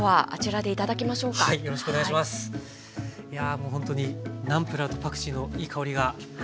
もうほんとにナムプラーとパクチーのいい香りが。